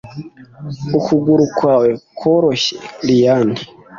ukuguru kwawe kworoshye, liane